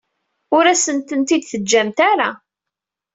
Ur asen-tent-id-teǧǧamt ara.